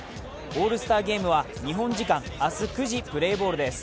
オールスターゲームは日本時間明日プレーボールです。